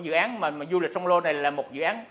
dự án mà du lịch sông lô này là một dự án